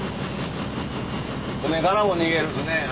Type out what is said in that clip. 船からも逃げるしね